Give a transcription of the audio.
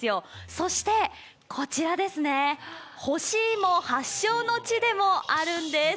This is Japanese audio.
そして、こちらですね、干し芋発祥の地でもあるんです。